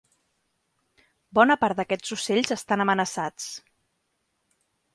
Bona part d'aquests ocells estan amenaçats.